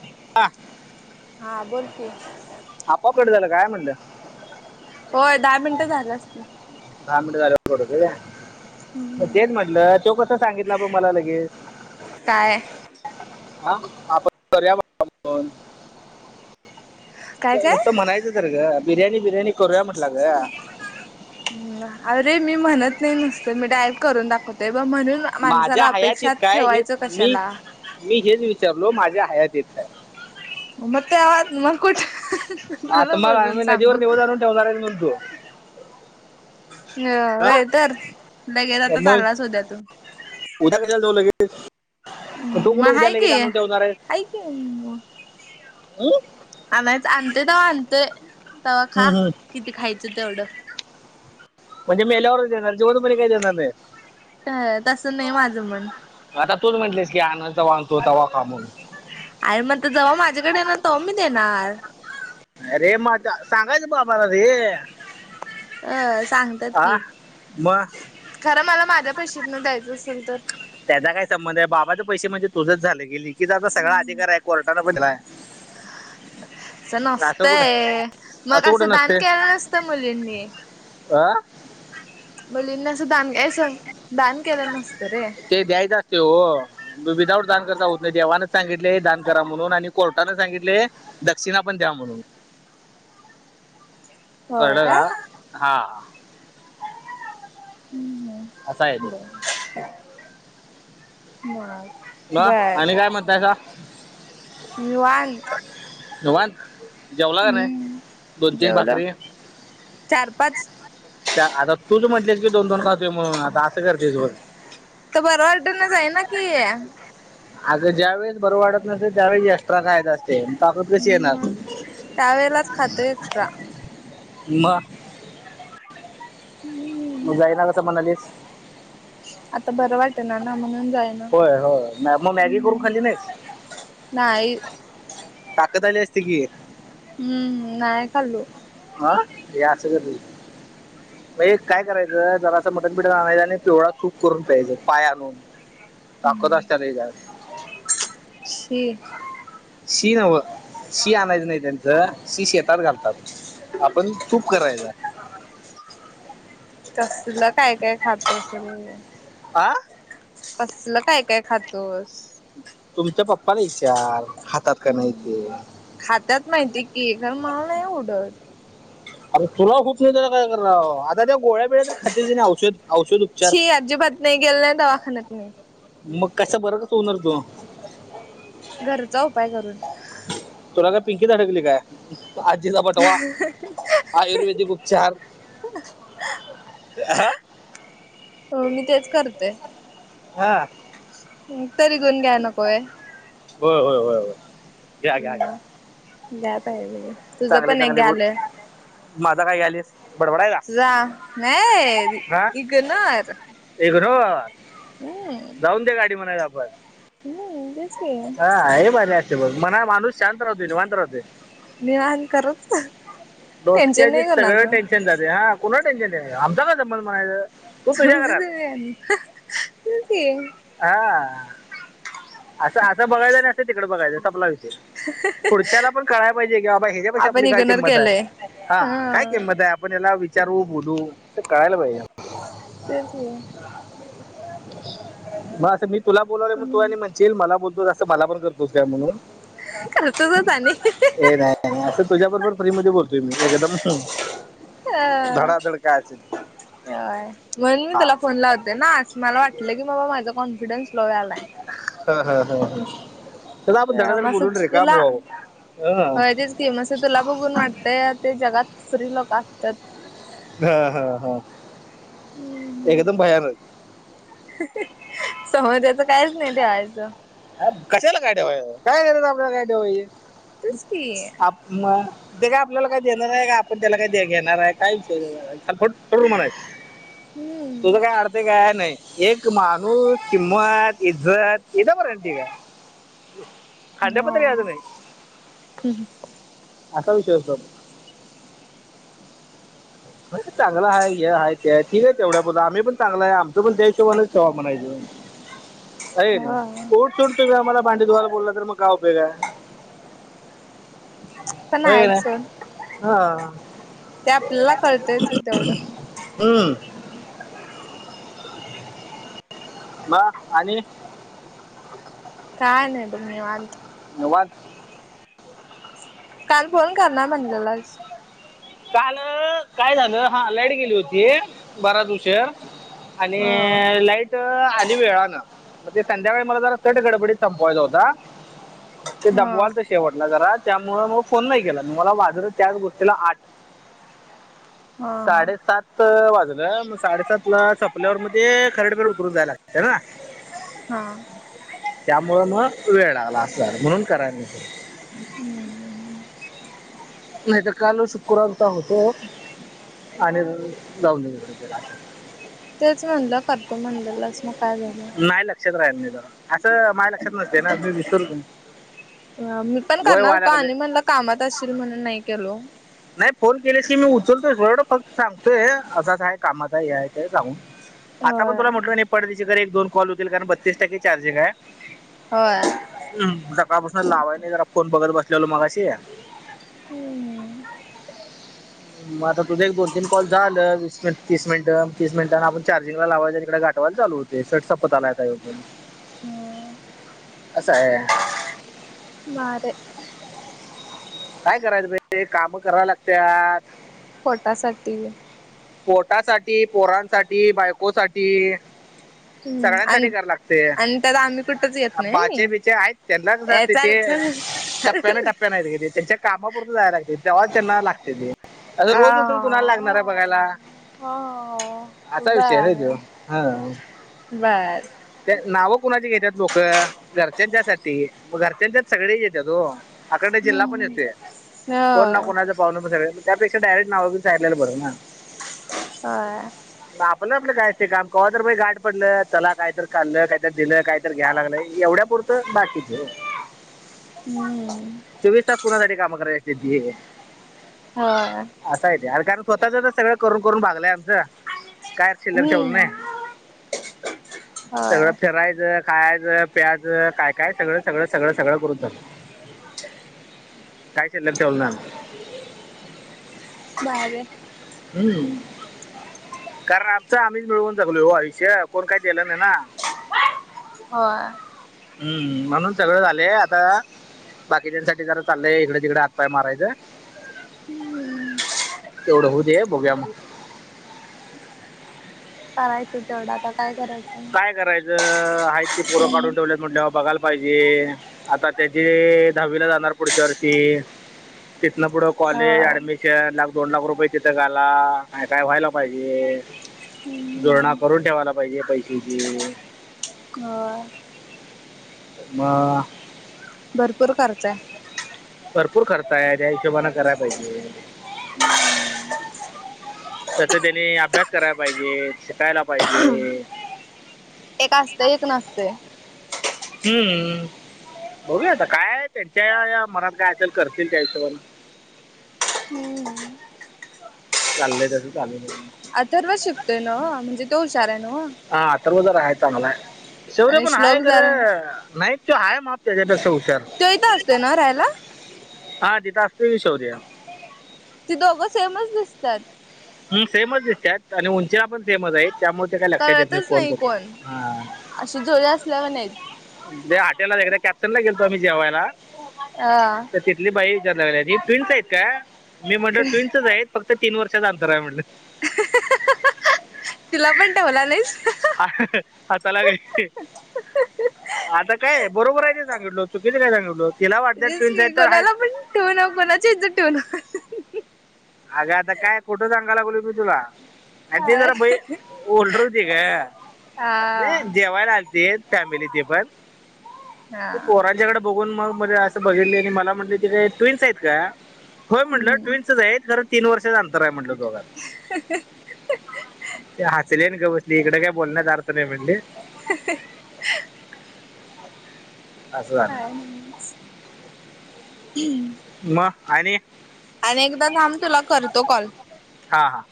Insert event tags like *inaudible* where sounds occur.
ह. *inaudible* *unintelligible* हा बोलकी. आपॉप कट झाला काय म्हणलं. होय दहा मिनटं झालं असतीन. दहा मिनटं झाल्यावर सोडत त्या म हम्म. तेच म्हटलं त्यो कसा सांगितला बॉ मला लगेच. काय हा आप काय काय? नुसत म्हणायचं तर ग बिर्याणी, बिर्याणी, करूया म्हटला ग. हूं अरे मी म्हणत नही नुसत मी डाय करून दाखवते ये ब म्हणून माणसाला माझ्या हयातीत अपेक्षात काय हे ठेवायचं मी कशाला. मी हेच विचारलो माझ्या हायातथय. म त्यावात मंग कुठं आता मला बोलवून आम्ही सांग नदीवर म. निवड आणून ठेवणार आहे म्हणतो ह व्हयं तर लगेच आता मग चाललास उद्या तू. उद्या कश्याला ठेवलं की. अन तो कुठ मग उद्या हाय लगेच की आणून ठेवणार आहे. हाय की *unintelligible* आनायच आणतोय तवा आणतोय तवा खा हं, हं. किती खायचं तेवढं. म्हणजे मेल्यावरच देणार जिवंतपणी काही देनार नाही. अ तसं नाही माझं मनं. आता तूच म्हटलीस की आनंद जवा आनतो तवा खा म्हणून. आए म्हणत जवा माझ्याकड येणार तवा मी देणार. अरे माझ सांगायचं बाबाला रे. अ सांगतात आ कि, मग खरं मला माझ्या पैशीेतन द्यायचं असेल तर. त्याचा काय संबंध आहे, बाबाचं पैसे म्हणजे तुझंच झाल की, लेकीचा त सगळा अधिकार आहे कोर्टाचा भूतलाय. *unintelligible* *inaudible* असं नसतय मग कुठं असं दान नसते केलं नसतं मुलींनी. आ. मुलींना अस दान येस दान केल नसतरे. ते द्यायच असते हो. विदाऊट दान करता होत नाही, देवान सांगितलय दान करा म्हणून आणि कोर्टानं सांगितले दक्षिणा पण द्या म्हणून. *inaudible* कळल होय का काय हा. हम्म असं आहे ते हम् ब बर *unintelligible* म आणि काय म्हणता सा? निवांत. निवांत जेवला का नाही, दोन हम्म तीन जेवलो भाकरी चार, पाच आता तूच म्हटलीस की दोन दोन खातोय म्हणून आता असं करतीस व्हयं. त बर वाटना जाई ना की. आग ज्या वेळेस बरं वाटत नसेल त्यावेळेस एक्स्ट्रा खायचं असतेय ताकद कशी येणार. त्या वेळेलाच खातो एक्स्ट्रा. वा. हम्म जाईना कसं म्हणालीस आता बरं वाटे ना ना म्हणून जाय ना. होय होय मग मॅगी करून खाल्ली नाहीच. ना. टाक तली असती की हम्म नाहीय खल्लू. अह र अस त म्हणजे काय करायचं जराच मटण पिठा आणायच आणि पिवळाा सुूक करून प्यायच पाय आणून पाक दसटार ये जाल. श. शी नवं शी आणायचं नाही त्यांचं शी शेतात घालतात. आपण चूप करायच. त तुला काय काय खात असेल. आं. कसलं काय काय खातोस. तुमच्या पप्पाला विचार हातात का नाही ते खात्यात माहिती की एण माल नाही ओडर. आता तुला होत नाही ज काय आता त्या गोळ्याबेळ्या तर खात तने औषध औषध उपचार ी अजिबात नाही गेले नाही दवाखान्यात म मग कशा बरोरच होणार तो घरचा उपाय करून तुला काय पिंकीचाडकली काय आजीचा पटवा आयुर्वेदिक उपचार. हा. हो मी तेच करते. हा. तरी घऊन घ्या नकोय. होय होय होय होय घ्या घ्या घ्या. ग्या पाहिजे तुझं चांगले पण एक ग चांगले गुड आलं. माझा काही आलीिस बडबडा आहे का? ु जा नाही इगणार. एक जाऊन द गाडी म्हणा आप आपर हम्. हा हे माझ असते बघ मणा माणूस शांत राहते निवांत राहते. निवान करत. डोक्या टेन्शन नाही सगळ्या कोणाचं टेन्नाते हा कु टेन्शन नाही आमचा का संबध म्हणायचं. तू तुझ्या घरात तुम त हा. असं असं बघायचं नस तिकडे बघायं आपलाय. ह. पुढच्याला पण कळाला पाहिजे की बाबा ह्याच्या पेा आपण आपली काय इग्नोर किंमत केलंय आहे. हा काय किंमत आहे आपण याला विचारवू बोलू कळायला पाहिजे. तेच आहे. मग असं मी तुला बोलव आहे मग तू आणि म्हणश ये मला बोलतोस असं मला पण करतोस काय म्हणून खर्चच आणि ए नाही नाही असं तुझ्या बरोबर फ्री मध्ये बोलतोय मी एकदम धडाधड कायच. य म्हणून मी तुला फोन लाव होते ना आ मला वाटलं की बाबा माझा कॉन्फिडन्स लो व आलाय. हा हा हा ह च आप आपण दडधड मस बोलोलून रे का मुव हा. फेमस आहे तुला बघून वाटतंय ते जगात फ्री लोक असतात. हा हा हा. हम्म एकदम भयान समो त्याच काहीच नाही ते आयचं. कशाला गाड काय आपल्याला गाडीवाय, तेच की मग ते का आपल्याला काय देणार आहे का आपण त्याला काय घेणार आहे काय विषय देल, म्हणा हम्म तुझं काय अ, काय नाही एक माणूस किंमत इज्जत बर आहे. खडपत हो आतून, असा विषय असतो. चांगलं आहे हे आहेय ते आहे ठीक आहे तेवढ्या बद आम्ही पण चांगलं आहे आमचं पण देशोवानच ठेवा म्हणाय, ह का नाही उट सूट तुम्ही आम्हाला भांडी धुवाला बोलला तर मग काय उपयग आहे. पण हो आहेत ना सोड हा ते आपल्याला कळतयच तेवढं, हम्म ब आणि का नाही बघ म वात, वाज, काल फोन करणार म्हणलेला काल काय झालं हा लाईट गेली होती बारा दिवशीर, ह हा आणि लाईट, आली वेळाान म ते संध्याकाळी मला जरा तट गडबडीत संपवायचा होता. ते हा दमवाल तर शेवटला जरा त्यामु मग फोन नाही केला मला वाज त्याच गोष्टीला, हा साडेसात वाजला मग साडेसात ला स, आपल्यावर मध्ये खरडपेर उतरून जायला लागत ना, हा त्यामुं ना वेळ लागला असणार म्हणून कराय म, हम्म नाही तरर काल शुक्रवार तर होतो आणि जाऊन, तेच म्हणलं करतो म्हणलेलंच मग काय झालं. नाही लक्षात राहील नाही जरा असं माझ लक्षात नसते ना मी विसरू का, मी पण करणार होतो आणि म्हणला कामात असशल म्हणून नाही केलो. नाही फोन केले की मी उचलतोयड फक्त सांगतोय असाच आहे कामाचा हे आहे का जाऊन, आता पण होय तुला म्हटलं नाही पणतीच्याकडे एक दोन कॉल होतील कारण बत्तीस टक्के चार्जिंग आहे ह हम् सकाळपासून लावाय नाही जरा फोन बघत बसलेलो मगाशी, मगता तुझ एको तीन कॉल झालंसट तीस मिनट तीस मिनिटां आपण चार्जंग लावायं आणि इकडे गाठ, चालू होते सट संपतलाता ये पण, हम् असं आहे वरे काय करायचं ते काम करा लागत पोटासाठी पोटासाठी पोरांसाठी बायकोसाठी हम्म सगळ्यांसाठी आणि घरा लागतेय आणि त्यात आम्ही कुठच येत नाही बाचे बिचे नाही आहेत त्यांनाच तिथे चाल चल टप्प्याने टप्प्या नाहीि त्यांच्या कामापुरत जायला लागते तेव्हा त्यांना लागते ते आता अ रोज उठून कुणाला लागणार आहे बघायला हो आताा विषय र तो बर हा बर त्या नाव कुणाची घेतात लोक घरच्यांच्या साठी मग घरच्यांच्याच सगळे येतात हो आाकडे जिल्हा पण येतोय कोण ना होय कोणाचा पाग त्याेा डायरेक्ट नाव लेलं बरं ना हा.. आपलं आपलं काय ते काम क तर गाठ पडलं त्याला कायत खाललं कायत दिलं काय घ्यायला लागलं एवढ्या पुुरत बाकीच हम्म. चोवीस तास कुणासाठी काम करायती? होय. असायते अर कारण स्वतःच तर सगळं करून, करून भागलंय आमचं. काय शिलर ठेवलं नाही हम्म होय सगळं फिरायच खायाच प्यायच काय, काय सगळं, सगळं, सगळं, सगळं करून बसलो. काय शिल्लक ठेवल ना. बाग आहे *unintelligible* हम्म. कारण आमच आम्हीच मिळवून जगलोय हो आयुष्य कोण काही दिलं नाही ना. होय. हम्म म्हणून सगळं झाले आता बाकीच्यासाठी जरा चाललंय इकडे तिकडे हातपाय मारायच. तेवढं होऊ दे बघुया मग करायचं तेवढ आता काय करायचं? काय करायचं आहेत की परं काढून ठेवलात म्हटल्या वर बघायला पाहिजे आता त्याची दहावीला जाणार पुढच्या वर्षी कितन पुढ कॉलेज होय ऍडमिशन चार लाख, दोन लाख रुपये तिथं घाला आणि काय व्हायला पाहिजे. जोडणा हम्म करून ठेवायला पाहिजे पैसेची होय. म.. भरपूर खर्च आहे. भरपूर खर्च आहे त्या हिशोबाने कराय पाहिजे. तस त्यानी अभ्यास करायला पाहिजेत शिकायला पाहिजे. एक असते, एक नसते. हम्म. बघूया आता काय त्यांच्या या मनात काय असेल करतील त्या हिशोबाने. हम्म. चालय तस चालु द्यावा. अथर्व शिकतोय ना म्हणजे तो हुशार आहे ना? हा अथर्व जर आहेच आम्हाला शोर्य आणि पण आहेाय श्लोक खर जरा नाही तो आहे माप त्याच्या तस हुशार तो इथं असतोय ना राहायला हा जास्त की असत शौर्य. ती दोघं सेमच दिसतात. हम्म सेमच दिसतात आणि उंचीना पण सेमच आहेत त्यामुळे ते काही लक्षात येत नाही कळतच कोन कुठला. कोण अशी जुडी असल्यावानी आहे. दे हॉटेला एक कॅप्टन ला गेलो आम्ही जेवायला आ.. तर तिथली बाई विचार लागलीी ट्विन्स आहेत का मी म्हटलं ट्विन्सच आहेत. फक्त तीन वर्षाच अंतर आहे म्हटलं. तिला पण ठेवला नाहीस. हसाया लागली ती. आता काय बरोबर आहे ते सांगितलो चुकीच काय सांगितलो तिला वाटत ट्विनस तर आहेत. तुन कोणाचीच इजत ठेवु नको. अगे आता काय खोठं सांगायला बोल मी तुला अग ती काय जरा बाई उलढर होती हा ग जवायला आ ते फॅमिली ते पण हा पोरांच्याकडे बघून मग अस बघित आणि मला म्हट तथडे ट्विन्स आहेत का होय म्हटलं हम्म. ट्विन्सच आहेत जर तीन वर्षाच अंतर आहे म्हटलं दोघां ते हसले ग बसली इकडे काय बोलण्यास अर्थ नाही म्हणले ह असं झालं हम्म म आहेनी आणि एकदा ांब तुला करतो कॉल हा हा